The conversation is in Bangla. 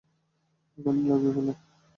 ওখানে লাগিয়ে ফেল।